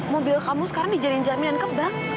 mobil kamu sekarang dijadiin jaminan ke bank